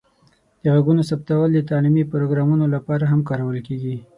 د غږونو ثبتول د تعلیمي پروګرامونو لپاره هم کارول کیږي.